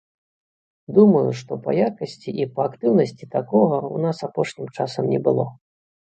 Думаю, што па яркасці і па актыўнасці такога ў нас апошнім часам не было.